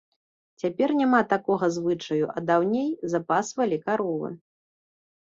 Цяпер няма такога звычаю, а даўней запасвалі каровы.